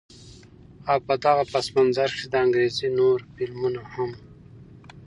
او په دغه پس منظر کښې د انګرېزي نور فلمونه هم